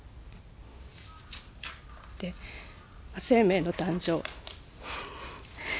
生命の誕生。